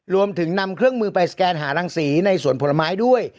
รวมถึงนำเครื่องมือไปสแกนหารังสีในสวนผลไม้ด้วย